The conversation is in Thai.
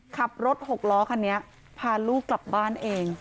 ขับรถหกล้อคันนี้พาลูกกลับบ้านเอง